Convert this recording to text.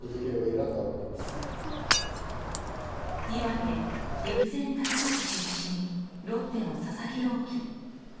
岩手・陸前高田市出身ロッテの佐々木朗希。